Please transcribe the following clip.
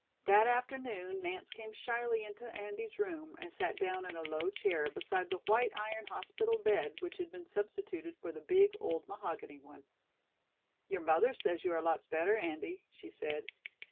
That afternoon Nance came shyly into Andy's room and sat down in a low chair beside the white iron hospital bed which had been substituted for the big old mahogany one. "Your mother says you are lots better, Andy," she said.